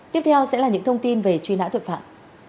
tiếp theo sẽ là những thông tin về truy nã tội phạm